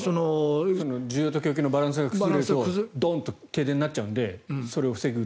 需要と供給のバランスが崩れるとどんと停電になっちゃうのでそれを防ぐ。